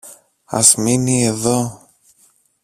Ας μείνει εδώ.